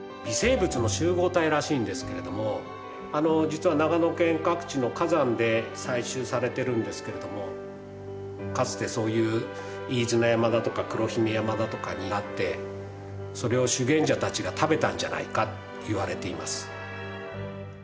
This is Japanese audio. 実は長野県各地の火山で採集されてるんですけれどもかつてそういう飯縄山だとか黒姫山だとかにあってそれを修験者たちが食べたんじゃないかっていわれています。